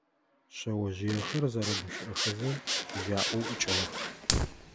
Шъэожъыехэр зэрэгъэгущыӀэхэзэ чыжьаӀоу ӀукӀыгъэх.